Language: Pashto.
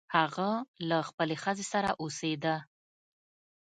هغه له خپلې ښځې سره اوسیده.